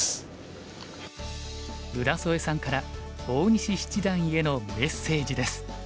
浦添さんから大西七段へのメッセージです。